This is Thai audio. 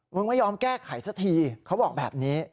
ไม่ยอมแก้ไขสักทีเขาบอกแบบนี้